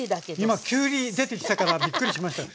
今「きゅうり」出てきたからびっくりしました。